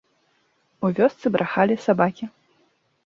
У вёсцы брахалі сабакі.